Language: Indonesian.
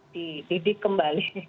di didik kembali